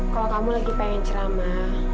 kalau kamu lagi pengen ceramah